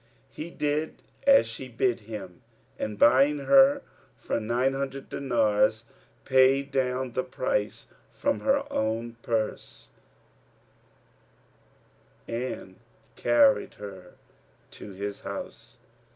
He did as she bid him and, buying her for nine hundred dinars, paid down the price from her own purse and carried her to his house.